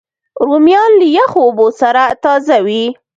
رومیان له یخو اوبو سره تازه وي